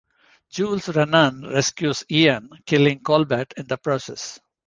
Jules Renan rescues Ian, killing Colbert in the process.